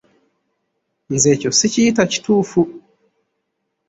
Nze ekyo sikiyita kituufu.